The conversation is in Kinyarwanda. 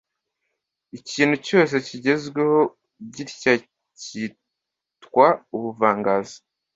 Ikintu cyose kigezweho gitya kitwa ubuvanganzo